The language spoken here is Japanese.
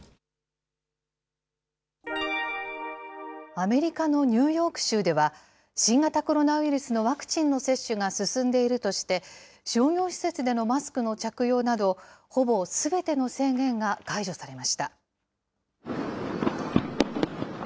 アメリカのニューヨーク州では、新型コロナウイルスのワクチンの接種が進んでいるとして、商業施設でのマスクの着用など、ほぼすべての制限が解除されました。